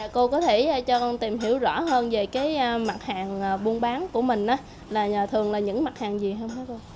cô có thể cho con tìm hiểu rõ hơn về cái mặt hàng buôn bán của mình là thường là những mặt hàng gì không có cô